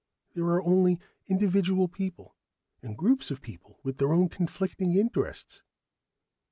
There are only individual people and groups of people, with their own conflicting interests."